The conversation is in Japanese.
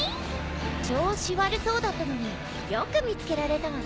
調子悪そうだったのによく見つけられたわね。